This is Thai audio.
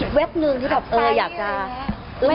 คิดแบบหนึ่งที่แบบ